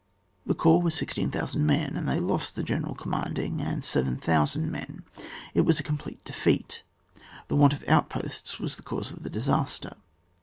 The corps was 16,000 men, and they lost the General commanding, and 7,000 men; it was a complete defeat. The want of outposts was the cause of the disaster.